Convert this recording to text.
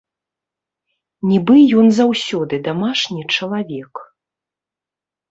Нібы ён заўсёды дамашні чалавек.